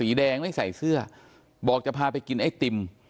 แดงไม่ใส่เสื้อบอกจะพาไปกินไอติม